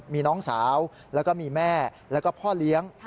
มีน้องสาวแล้วก็มีแม่แล้วก็พ่อเลี้ยง